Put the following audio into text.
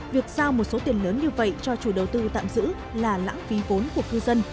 việc giao một số tiền lớn như vậy cho chủ đầu tư tạm giữ là lãng phí vốn của cư dân